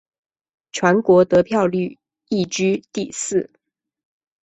全国得票率亦居第四。